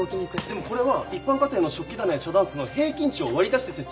でもこれは一般家庭の食器棚や茶だんすの平均値を割り出して設置を。